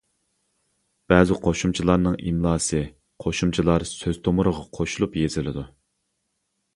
بەزى قوشۇمچىلارنىڭ ئىملاسى قوشۇمچىلار سۆز تومۇرىغا قوشۇلۇپ يېزىلىدۇ.